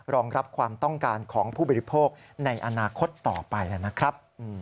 รองรับความต้องการของผู้บริโภคในอนาคตต่อไปนะครับ